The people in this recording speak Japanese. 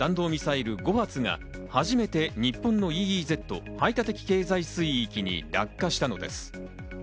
今回、中国が発射した弾道ミサイル５発が初めて日本のＥＥＺ＝排他的経済水域に落下したのです。